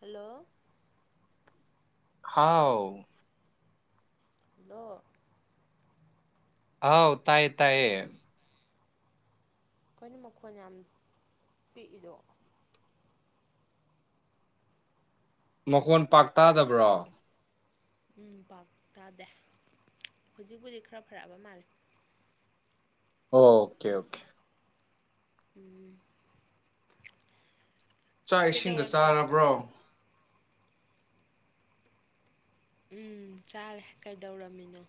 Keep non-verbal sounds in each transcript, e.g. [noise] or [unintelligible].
hello ꯍꯥꯎ ꯗꯣ ꯑꯥꯎ ꯇꯥꯏꯌꯦ ꯇꯥꯏꯌꯦ ꯀꯩꯅꯣ ꯃꯈꯣꯟ ꯌꯥꯝ ꯄꯤꯛꯏꯗꯣ ꯃꯈꯣꯟ ꯄꯥꯛꯇꯥꯗꯕ꯭ꯔꯣ ꯎꯝ ꯄꯥꯛ ꯇꯥꯗꯦ ꯍꯧꯖꯤꯛꯄꯨꯗꯤ ꯈꯔ ꯐꯔꯛꯑꯕ ꯃꯥꯜꯂꯦ ꯑꯣ ꯀꯦ ꯑꯣꯀꯦ ꯎꯝ [inaudible] ꯆꯥꯛ ꯏꯁꯤꯡꯒ ꯀꯩꯗꯧꯔꯝꯃꯤꯅꯣ ꯆꯥꯔꯕ꯭ꯔꯣ ꯎꯝ ꯆꯥꯔꯦ ꯀꯩꯗꯧꯔꯝꯃꯤꯅꯣ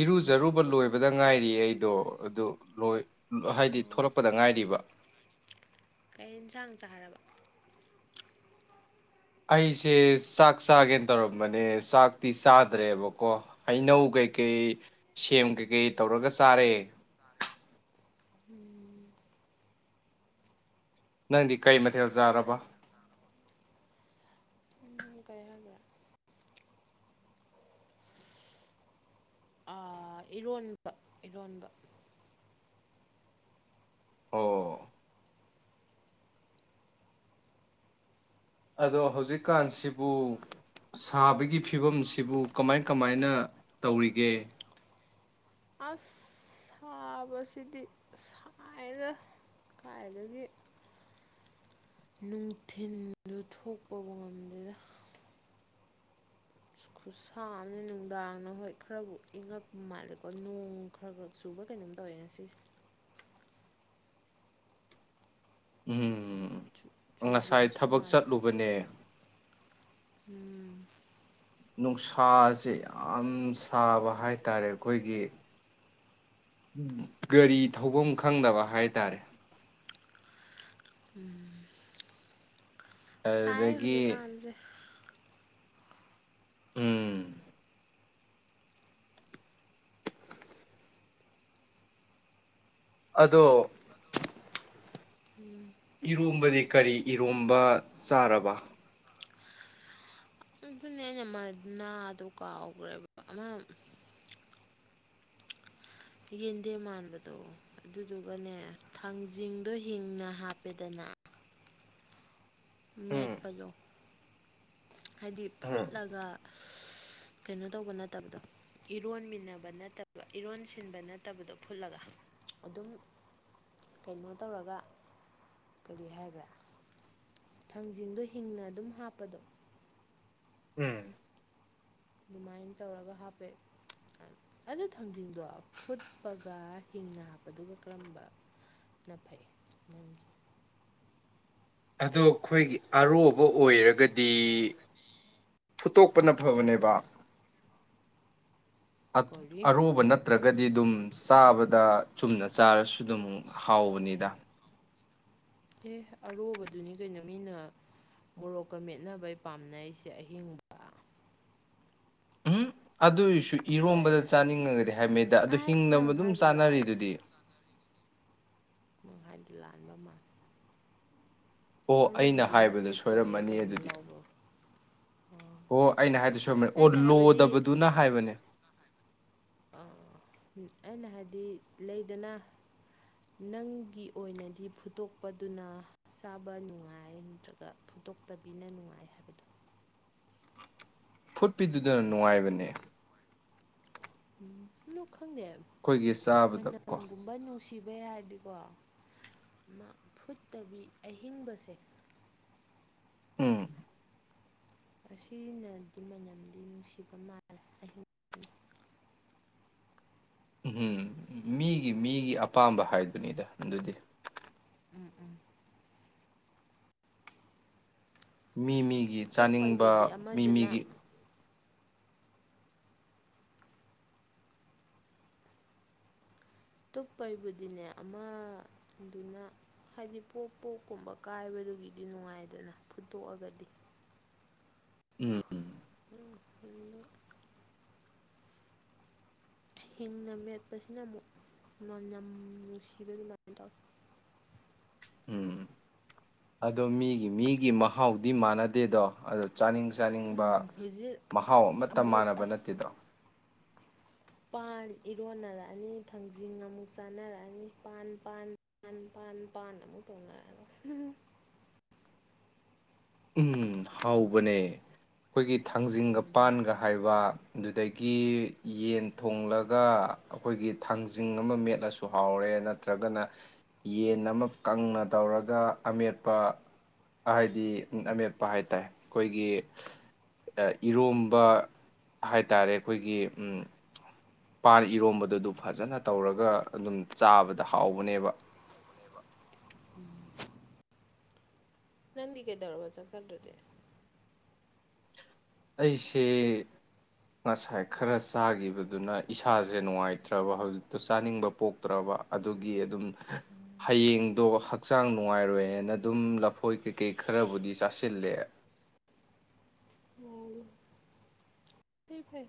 ꯏꯔꯨꯖꯔꯨꯕ ꯂꯣꯏꯕꯗ ꯉꯥꯏꯔꯤ ꯑꯩꯗꯣ ꯑꯗꯨ ꯂꯣꯏ ꯍꯥꯏꯗꯤ ꯑꯣ ꯊꯣꯂꯛꯄꯗ ꯉꯥꯏꯔꯤꯕ ꯀꯩ ꯍꯦꯟꯖꯥꯡ ꯆꯥꯔꯕ ꯑꯩꯁꯦ ꯆꯥꯛ ꯆꯥꯒꯦ ꯇꯧꯔꯝꯕꯅꯦ ꯆꯥꯛꯇꯤ ꯆꯥꯗ꯭ꯔꯦꯕꯀꯣ ꯍꯩꯅꯧ ꯀꯩꯀꯩ ꯁꯦꯝ ꯀꯩꯀꯩ ꯇꯧꯔꯒ ꯆꯥꯔꯦ ꯎꯝ ꯅꯪꯗꯤ ꯀꯔꯤ ꯃꯊꯦꯜ ꯆꯥꯔꯕ [unintelligible] ꯑ ꯏꯔꯣꯟꯕ ꯏꯔꯣꯟꯕ ꯑꯣ ꯑꯗꯣ ꯍꯧꯖꯤꯛꯀꯥꯟꯁꯤꯕꯨ ꯁꯥꯕꯒꯤ ꯐꯤꯕꯝꯁꯤꯕꯨ ꯀꯃꯥꯏ ꯀꯃꯥꯏꯅ ꯇꯧꯔꯤꯒꯦ ꯑꯁ ꯁꯥꯕꯁꯤꯗꯤ ꯁꯥꯏꯗ ꯀꯥꯏꯗꯒꯤ ꯅꯨꯡꯊꯤꯟ ꯊꯣꯛꯄꯕꯨ ꯉꯝꯗꯦꯅ ꯈꯨꯁꯥꯝꯅꯦ ꯅꯨꯡꯗꯥꯡꯅ ꯍꯣꯏ ꯈꯔꯕꯨ ꯏꯪꯉꯛꯄ ꯃꯥꯜꯂꯦꯀꯣ ꯅꯣꯡ ꯈꯔ ꯈꯔ ꯆꯨꯕ ꯀꯩꯅꯣꯝ ꯇꯧꯋꯦ ꯉꯁꯤꯁꯦ ꯎꯝ ꯉꯁꯥꯏ ꯆꯨꯈꯤꯕꯁꯨ ꯊꯕꯛ ꯃꯥꯜꯂꯦ ꯆꯠꯂꯨꯕꯅꯦ ꯎꯝ ꯅꯨꯡꯁꯥꯁꯦ ꯌꯥꯝ ꯁꯥꯕ ꯍꯥꯏꯇꯔꯦ ꯑꯩꯈꯣꯏꯒꯤ ꯒꯥꯔꯤ ꯊꯧꯐꯝ ꯈꯪꯗꯕ ꯍꯥꯏꯇꯔꯦ [inaudible] ꯁꯥꯏ ꯑꯗꯨꯗꯒꯤ ꯍꯧꯖꯤꯛꯀꯥꯟꯁꯦ ꯎꯝ ꯑꯗꯣ ꯎꯝ ꯏꯔꯣꯝꯕꯗꯤ ꯀꯔꯤ ꯏꯔꯣꯝꯕ ꯆꯥꯔꯕ ꯑꯗꯨꯅꯦ ꯑꯩꯅ ꯃ ꯅꯥꯗꯨ ꯀꯥꯎꯈ꯭ꯔꯦꯕ ꯑꯃ ꯌꯦꯟꯗꯦꯝ ꯃꯥꯟꯕꯗꯣ ꯑꯗꯨꯗꯨꯒꯅꯦ ꯊꯥꯡꯖꯤꯡꯗꯣ ꯍꯤꯡꯅ ꯍꯥꯞꯄꯦꯗꯅ ꯎꯝ ꯃꯦꯠꯄꯗꯣ ꯍꯥꯏꯗꯤ ꯎꯝ ꯐꯨꯠꯂꯒ ꯀꯩꯅꯣ ꯇꯧꯕ ꯅꯠꯇꯕꯗꯣ ꯏꯔꯣꯟꯃꯤꯟꯅꯕ ꯅꯠꯇꯕ ꯏꯔꯣꯟ ꯁꯤꯟꯕ ꯅꯠꯇꯕꯗꯣ ꯐꯨꯠꯂꯒ ꯑꯗꯨꯝ ꯀꯩꯅꯣ ꯇꯧꯔꯒ ꯀꯔꯤ ꯍꯥꯏꯕ꯭ꯔꯥꯥ ꯊꯥꯡꯖꯤꯡꯗꯣ ꯍꯤꯡꯅ ꯑꯗꯨꯝ ꯍꯥꯞꯄꯗꯣ ꯎꯝ ꯑꯗꯨꯃꯥꯏꯅ ꯇꯧꯔꯒ ꯍꯥꯞꯄꯦ ꯑꯗꯨ ꯊꯥꯡꯖꯤꯡꯗꯣ ꯐꯨꯠꯄꯒ ꯍꯤꯡꯅ ꯍꯥꯞꯄꯗꯨꯒ ꯀꯔꯝꯕꯅ ꯐꯩ ꯅꯪꯒꯤ ꯑꯗꯣ ꯑꯩꯈꯣꯏꯒꯤ ꯑꯔꯣꯕ ꯑꯣꯏꯔꯒꯗꯤ ꯐꯨꯠꯇꯣꯛꯄꯅ ꯐꯕꯅꯦꯕ ꯑꯠ ꯀꯣꯔꯤ ꯑꯔꯣꯕ ꯅꯠꯇ꯭ꯔ ꯒꯗꯤ ꯑꯗꯨꯝ ꯆꯥꯕꯗ ꯆꯨꯝꯅ ꯆꯥꯔꯁꯨ ꯑꯗꯨꯝ ꯍꯥꯎꯕꯅꯤꯗ ꯑꯦ ꯑꯔꯣꯕꯗꯨꯅꯤ ꯀꯩꯅꯣ ꯃꯤꯅ ꯃꯣꯔꯣꯛꯀ ꯃꯦꯠꯅꯕꯩ ꯄꯥꯝꯅꯩꯁꯦ ꯑꯍꯤꯡꯕ ꯎꯝ ꯑꯗꯨꯏꯁꯨ ꯏꯔꯣꯝꯕꯗ ꯀꯔꯤ ꯆꯥꯅꯤꯡꯉꯒꯗꯤ ꯍꯥꯏꯃꯦꯗ ꯑꯗꯨ ꯑꯁ ꯍꯤꯡꯅ ꯅꯪ ꯑꯗꯨꯝ ꯍꯥꯏꯗꯣ ꯂꯥꯜꯂꯦ ꯆꯥꯅꯔꯤꯗꯨꯗꯤ ꯍꯥꯏꯗꯣ ꯂꯥꯟꯕ ꯃꯥꯂꯦ ꯑꯣ ꯑꯩꯅ ꯍꯥꯏꯕꯗ ꯃꯦꯠꯄꯒꯤꯔ ꯁꯣꯏꯔꯝꯃꯅꯤ ꯀꯩꯅꯣꯝ ꯑꯗꯨꯗꯤ ꯂꯧꯕ꯭ꯔꯣ ꯑꯣ ꯑꯩꯅ ꯍꯥꯏꯗꯣ ꯁꯣꯏꯔꯝꯃꯅꯤ ꯑꯣ ꯑꯩꯅ ꯍꯥꯏꯕꯗꯤ ꯂꯣꯗꯕꯗꯨꯅ ꯍꯥꯏꯕꯅꯦ ꯑꯥ ꯑꯩꯅ ꯍꯥꯏꯗꯤ ꯂꯩꯗꯅ ꯅꯪꯒꯤ ꯑꯣꯏꯅꯗꯤ ꯐꯨꯠꯇꯣꯛꯄꯗꯨꯅ ꯆꯥꯕ ꯅꯨꯡꯉꯥꯏ ꯅꯠꯇ꯭ꯔꯒ ꯐꯨꯠꯇꯣꯛꯇꯕꯤꯅ ꯅꯨꯡꯉꯥꯏ ꯍꯥꯏꯕꯗꯣ ꯐꯨꯠꯄꯤꯗꯨꯗꯅ ꯅꯨꯡꯉꯥꯏꯕꯅꯦ ꯎꯝ ꯂꯨꯛ ꯈꯪꯗꯦ ꯑꯩꯈꯣꯏꯒꯤ ꯆꯥꯕꯗ ꯀꯣ ꯃꯅꯝꯒꯨꯝꯕ ꯅꯨꯡꯁꯤꯕ ꯕꯦ ꯍꯥꯏꯗꯤꯀꯣ ꯑꯃ ꯐꯨꯠꯇꯕꯤ ꯑꯍꯤꯡꯕꯁꯦ ꯎꯝ ꯑꯁꯤꯅꯗꯤ ꯃꯅꯝꯗꯤ ꯅꯨꯡꯁꯤꯕ ꯃꯥꯜꯂꯦ ꯑꯍꯤꯡ ꯎꯝꯝ ꯃꯤꯒꯤ ꯃꯤꯒꯤ ꯑꯄꯥꯝꯕ ꯍꯥꯏꯗꯨꯅꯤꯗ ꯑꯗꯨꯗꯤ ꯃꯤ ꯃꯤ ꯒꯤ ꯆꯥꯅꯤꯡꯕ ꯇꯨꯞꯄꯩꯕꯨꯗꯤ ꯃꯤ ꯑꯃꯗꯨꯅ ꯃꯤꯒꯤ ꯇꯨꯞꯞꯄꯩꯕꯨꯗꯤꯅꯦ ꯑꯃ ꯑꯗꯨꯅ ꯍꯥꯏꯗꯤ ꯄꯣꯛꯞ ꯄꯣꯛꯀꯨꯝꯕ ꯀꯥꯏꯕꯗꯨꯒꯤꯗꯤ ꯅꯨꯡꯉꯥꯏꯗꯅ ꯐꯨꯠꯇꯣꯛꯑꯒꯗꯤ ꯎꯝ ꯎꯝ ꯍꯤꯡꯅ ꯃꯦꯠꯄꯁꯤꯅ ꯑꯃꯨꯛ ꯃꯟꯝ ꯅꯨꯡꯁꯤꯕ ꯑꯗꯨꯃꯥꯏꯅ ꯇꯧꯋꯤ ꯎꯝ ꯑꯗꯣ ꯃꯤꯒꯤ ꯃꯤꯒꯤ ꯃꯍꯥꯎꯗꯤ ꯃꯥꯟꯅꯗꯦꯗꯣ ꯑꯗꯣ ꯆꯥꯅꯤꯡ ꯆꯥꯅꯤꯡꯕ ꯍꯧꯖꯤꯛ ꯃꯍꯥꯎ ꯑꯃꯇ ꯑꯃꯨꯛ ꯃꯥꯟꯅꯕ ꯑꯁ ꯅꯠꯇꯦꯗꯣ ꯄꯥꯟ ꯏꯔꯣꯟꯅꯔꯛꯑꯅꯤ ꯊꯥꯡꯖꯤꯡ ꯑꯃꯨꯛ ꯆꯥꯅꯔꯛꯑꯅꯤ ꯄꯥꯟ ꯄꯥꯟ ꯄꯥꯟ ꯄꯥꯟ ꯄꯥꯟ ꯑꯃꯨꯛ ꯇꯧꯅꯔꯛꯑꯔꯣꯏ ꯎꯝ ꯍꯥꯎꯕꯅꯦ ꯑꯩꯈꯣꯏꯒꯤ ꯊꯥꯡꯖꯤꯡꯒ ꯎꯝ ꯄꯥꯟꯒ ꯍꯥꯏꯕ ꯑꯗꯨꯗꯒꯤ ꯌꯦꯟ ꯊꯣꯡꯂꯒ ꯑꯩꯈꯣꯏꯒꯤ ꯊꯥꯡꯖꯤꯡ ꯑꯃ ꯃꯦꯠꯂꯁꯨ ꯍꯥꯎꯔꯦ ꯅꯠꯇ꯭ꯔꯒꯅ ꯌꯦꯟ ꯑꯃ ꯀꯪꯅ ꯇꯧꯔꯒ ꯑꯃꯦꯠꯄ ꯍꯥꯏꯗꯤ ꯑꯃꯦꯠꯄ ꯍꯥꯏ ꯇꯔꯦ ꯑꯩꯈꯣꯏꯒꯤ ꯏꯔꯣꯝꯕ ꯍꯥꯏꯇꯥꯔꯦ ꯑꯩꯈꯣꯏꯒꯤ ꯄꯥꯟ ꯏꯔꯣꯝꯕꯗꯨ ꯑꯗꯨ ꯐꯖꯅ ꯇꯧꯔꯒ ꯑꯗꯨꯝ ꯆꯥꯕꯗ ꯍꯥꯎꯕꯅꯦꯕ ꯅꯪꯗꯤꯀꯩꯇꯧꯔꯕ ꯆꯛ ꯆꯗ꯭ꯔꯗꯤ ꯑꯩꯁꯦ ꯉꯁꯥꯏ ꯈꯔ ꯆꯥꯈꯤꯕꯗꯨꯅ ꯏꯁꯥꯁꯦ ꯅꯨꯡꯉꯥꯏꯇ꯭ꯔꯕ ꯍꯧꯖꯤꯛꯇꯣ ꯆꯥꯅꯤꯡꯕ ꯄꯣꯛꯇ꯭ꯔꯕ ꯑꯗꯨꯒꯤ ꯑꯗꯨꯝ ꯍꯌꯦꯡꯗꯣ ꯍꯛꯆꯥꯡ ꯅꯨꯡꯉꯥꯏꯔꯣꯏꯅ ꯑꯗꯨꯝ ꯂꯐꯣꯏ ꯀꯩꯀꯩ ꯈꯔꯕꯨꯗꯤ ꯆꯥꯁꯤꯜꯂꯦ ꯐꯩ ꯐꯩ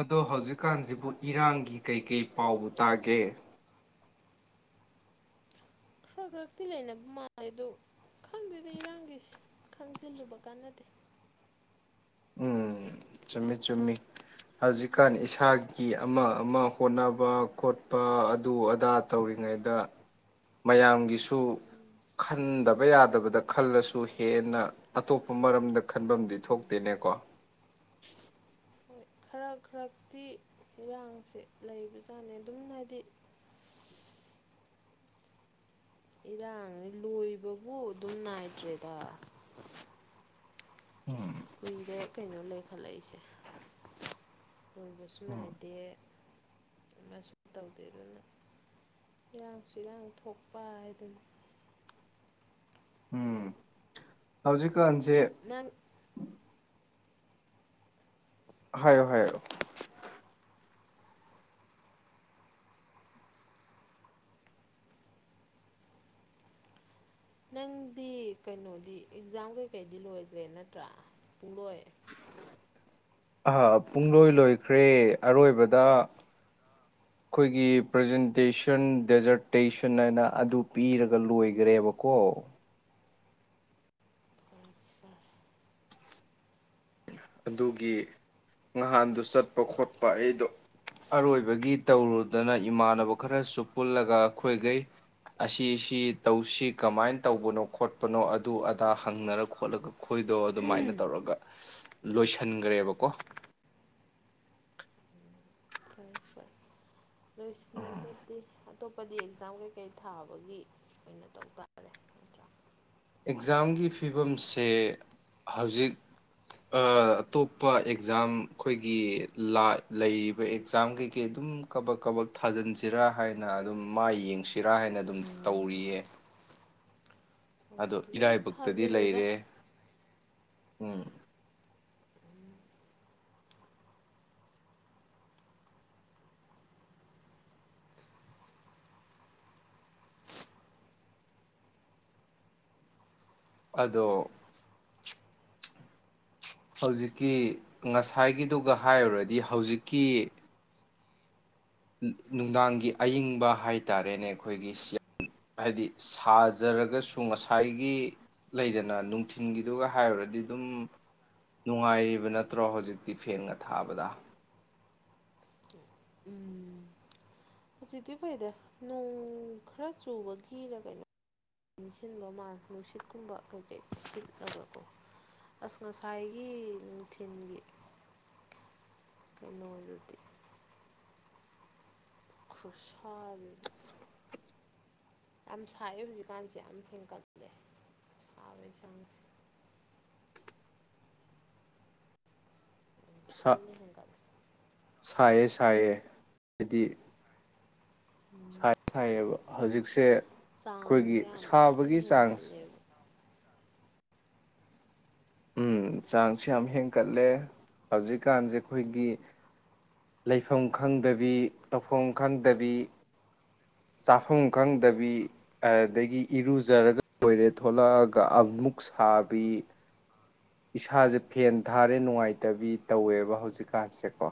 ꯑꯗꯣ ꯍꯧꯖꯤꯛꯀꯥꯟꯁꯤꯕꯨ ꯏꯔꯥꯡꯒꯤ ꯀꯩ ꯀꯩ ꯄꯥꯎꯕꯨ ꯇꯒꯦ ꯈꯔ ꯈꯔꯛꯇꯤ ꯂꯩꯅꯕ ꯃꯥꯜꯂꯦ ꯑꯗꯨ ꯈꯪꯗꯦꯗ ꯏꯔꯥꯡꯒꯤꯏꯁ ꯈꯪꯖꯤꯜꯂꯨꯕ ꯀꯥꯅꯗꯦ ꯎꯝ ꯆꯨꯝꯃꯤ ꯆꯨꯝꯃꯤ ꯍꯧꯖꯤꯛꯀꯥꯟ ꯏꯁꯥꯒꯤ ꯑꯃ ꯑꯃ ꯍꯣꯠꯅꯕ ꯈꯣꯠꯄ ꯑꯗꯨ ꯑꯗꯥ ꯇꯧꯔꯤꯉꯩꯗ ꯃꯌꯥꯝꯒꯤꯁꯨ ꯈꯟꯗꯕ ꯌꯥꯗꯕꯗ ꯈꯜꯂꯁꯨ ꯍꯦꯟꯅ ꯑꯇꯣꯞꯄ ꯃꯔꯝꯗ ꯈꯟꯐꯝꯗꯤ ꯊꯣꯛ ꯇꯅꯦꯀꯣ ꯍꯣꯏ ꯈꯔ ꯈꯔꯛꯇꯤ ꯏꯔꯥꯡꯁꯦ ꯂꯩꯕꯖꯥꯠꯅꯤ ꯑꯗꯨꯝ ꯍꯏꯗꯤ ꯏꯔꯥꯡꯅꯤ ꯂꯣꯏꯕꯕꯨ ꯑꯗꯨꯝ ꯅꯥꯏꯗ꯭ꯔꯦꯗ ꯎꯝ ꯀꯨꯏꯔꯦ ꯀꯩꯅꯣ ꯂꯩ ꯈꯜꯠꯂꯛꯏꯁꯦ ꯂꯣꯏꯕꯁꯨ ꯎꯝ ꯅꯥꯏꯗꯦ ꯑꯃꯁꯨ ꯇꯧꯗꯦ ꯑꯗꯨꯅ ꯏꯔꯥꯡꯁꯨ ꯏꯔꯥꯡ ꯊꯣꯛꯄ ꯍꯥꯏꯗꯨꯅꯤ ꯍꯧꯖꯤꯛ ꯀꯟꯁꯦ ꯅꯪ ꯍꯥꯏꯌꯣ ꯍꯥꯏꯌꯣ ꯅꯪꯗꯤ ꯀꯩꯅꯣꯗꯤ ꯑꯦꯛꯖꯥꯝ ꯀꯩꯀꯩꯗꯤ ꯂꯣꯏꯗ꯭ꯔꯦ ꯅꯠꯇ꯭ꯔꯥ ꯄꯨꯡꯂꯣꯏ ꯄꯨꯡꯂꯣꯏ ꯂꯣꯏꯈ꯭ꯔꯦ ꯑꯔꯣꯏꯕꯗ ꯑꯩꯈꯣꯏꯒꯤ ꯄ꯭ꯔꯖꯦꯟꯇꯦꯁꯟ ꯗꯦꯖꯔꯇꯦꯁꯟ ꯍꯥꯏꯅ ꯑꯗꯨ ꯄꯤꯔꯒ ꯂꯣꯏꯒ꯭ꯔꯦꯕꯀꯣ ꯐꯔꯦ ꯐꯔꯦ ꯑꯗꯨꯒꯤ ꯅꯍꯥꯟꯗꯨ ꯆꯠꯄ ꯈꯣꯠꯄ ꯑꯩꯗꯣ ꯑꯔꯣꯏꯕꯒꯤ ꯇꯧꯔꯨꯗꯅ ꯏꯃꯥꯟꯅꯕ ꯈꯔꯁꯨ ꯄꯨꯜꯂꯒ ꯑꯩꯈꯣꯏꯈꯩ ꯑꯁꯤꯁꯤ ꯇꯧꯁꯤ ꯀꯃꯥꯏꯅ ꯇꯧꯕꯅꯣ ꯈꯣꯠꯄꯅꯣ ꯑꯗꯨ ꯑꯗꯥ ꯍꯪꯅꯔꯒ ꯈꯣꯠꯂꯒ ꯑꯈꯣꯏꯗꯣ ꯑꯗꯨꯃꯥꯏꯅ ꯇꯧꯔꯒ ꯂꯣꯏꯁꯤꯟꯈ꯭ꯔꯦꯕꯀꯣ ꯐꯔꯦ ꯐꯔꯦ ꯂꯣꯏꯁꯤꯜꯂꯒꯗꯤ ꯑꯇꯣꯞꯄꯗꯤ ꯑꯦꯛꯖꯥꯝ ꯀꯩꯀꯩ ꯊꯥꯕꯒꯤ ꯑꯣꯏꯅ ꯇꯧ ꯇꯥꯔꯦ ꯅꯠꯇ꯭ꯔꯥ ꯑꯦꯛꯖꯥꯝꯒꯤ ꯐꯤꯕꯝꯁꯦ ꯍꯧꯖꯤꯛ ꯑꯥ ꯑꯇꯣꯞꯄ ꯑꯦꯛꯖꯥꯝ ꯑꯩꯈꯣꯏꯒꯤ ꯂꯥ ꯂꯩꯔꯤꯕ ꯑꯦꯛꯖꯥꯝ ꯀꯩꯀꯩ ꯑꯗꯨꯝ ꯀꯕꯛ ꯀꯕꯛ ꯊꯥꯖꯤꯟꯁꯤꯔꯥ ꯍꯥꯏꯅ ꯑꯗꯨꯝ ꯃꯥꯥꯏ ꯌꯦꯡꯁꯤꯔꯥ ꯍꯥꯏꯅ ꯑꯗꯨꯝ ꯇꯧꯔꯤꯌꯦ ꯑꯗꯨ ꯑꯗꯨꯝ ꯏꯔꯥꯏꯕꯛꯇꯗꯤ ꯊꯥꯖꯤꯜꯂꯨꯗ ꯂꯩꯔꯦ ꯎꯝ ꯑꯗꯣ ꯍꯧꯖꯤꯛꯀꯤ ꯉꯁꯥꯏꯒꯤꯗꯨꯒ ꯍꯥꯏꯔꯨꯔꯗꯤ ꯍꯧꯖꯤꯛꯀꯤ ꯅꯨꯡꯗꯥꯡꯒꯤ ꯑꯏꯤꯡꯕ ꯍꯥꯏ ꯇꯥꯔꯦꯅꯦ ꯑꯩꯈꯣꯏꯒꯤ ꯍꯥꯏꯗꯤ ꯁꯥꯖꯔꯒꯁꯨ ꯉꯁꯥꯏꯒꯤ ꯂꯩꯗꯅ ꯅꯨꯡꯊꯤꯟꯜꯒꯤꯗꯨꯒ ꯍꯥꯏꯔꯨꯔꯗꯤ ꯑꯗꯨꯝ ꯅꯨꯡꯉꯥꯏꯔꯤꯕ ꯅꯠꯇ꯭ꯔꯣ ꯍꯧꯖꯤꯛꯇꯤ ꯐꯦꯡꯒ ꯊꯥꯕꯗ ꯎꯝ ꯍꯧꯖꯤꯛꯇꯤ ꯐꯩꯗ ꯅꯣꯡ ꯈꯔ ꯆꯨꯕꯒꯤꯔ ꯀꯩꯅꯣ [unintelligible] ꯁꯤꯟꯕ ꯃꯥꯂꯦ ꯅꯨꯡꯁꯤꯠꯀꯨꯝꯕ ꯀꯩꯀꯩ ꯁꯤꯠꯂꯒꯀꯣ ꯑꯁ ꯉꯁꯥꯏꯒꯤ ꯅꯨꯡꯊꯤꯜꯒꯤ ꯀꯩꯅꯣꯗꯨꯗꯤ ꯈꯨꯠꯁꯥꯗꯨꯗꯤ ꯌꯥꯝ ꯁꯥꯏꯑꯦ ꯍꯧꯖꯤꯛꯀꯥꯟꯁꯦ ꯌꯥꯝ ꯍꯦꯟꯀꯠꯂꯦ ꯁꯥꯕꯩ ꯆꯥꯡꯁꯦ ꯌꯥꯝ ꯁꯥ ꯊꯤꯅ ꯍꯦꯟꯒꯠꯂꯦ ꯁꯥꯏꯌꯦ ꯁꯥꯏꯌꯦ ꯍꯥꯏꯗꯤ ꯁꯥꯏꯌꯦ ꯁꯥꯏꯌꯦꯕ ꯍꯧꯖꯤꯛꯁꯦ ꯑꯩꯈꯣꯏꯒꯤ ꯆꯥꯡꯖꯦ ꯌꯥꯝ ꯊꯤꯅ ꯁꯥꯕꯒꯤ ꯆꯥꯡꯁ ꯍꯦꯟꯀꯠꯂꯦꯕ ꯎꯝ ꯆꯥꯡꯁ ꯌꯥꯝ ꯍꯦꯟꯀꯠꯂꯦ ꯍꯧꯖꯤꯛꯀꯥꯟꯁꯦ ꯑꯩꯈꯣꯏꯒꯤ ꯂꯩꯐꯝ ꯈꯪꯗꯕꯤ ꯇꯧꯐꯝ ꯈꯪꯗꯕꯤ ꯆꯥꯐꯝ ꯈꯪꯗꯕꯤ ꯑꯗꯒꯤ ꯏꯔꯨꯖꯔꯒ ꯂꯣꯏꯔꯦ ꯊꯣꯛꯂꯛꯑꯒ ꯑꯃꯨꯛ ꯁꯥꯕꯤ ꯏꯁꯥꯁꯦ ꯐꯦꯟ ꯊꯥꯔꯦ ꯅꯨꯡꯉꯥꯏꯇꯕꯤ ꯇꯧꯋꯦꯕ ꯍꯧꯖꯤꯛꯀꯥꯟꯁꯦꯀꯣ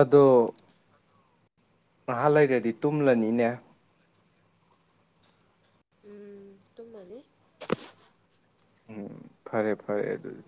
ꯑꯗꯣ ꯉꯍꯥꯛ ꯂꯩꯔꯗꯤ ꯇꯨꯝꯂꯅꯤꯅꯦ ꯎꯝ ꯇꯨꯝꯃꯅꯤ ꯎꯝ ꯐꯔꯦ ꯐꯔꯦ ꯑꯗꯨꯗꯤ